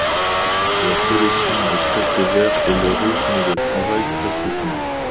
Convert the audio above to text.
La sélection est très sévère et le rythme de travail très soutenu.